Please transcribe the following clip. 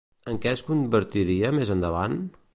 En què es convertiria més endavant?